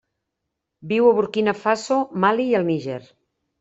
Viu a Burkina Faso, Mali i el Níger.